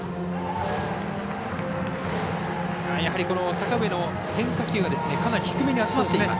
阪上の変化球はかなり低めに集まっています。